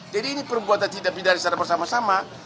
jadi ini perbuatan tidak pidana secara bersama sama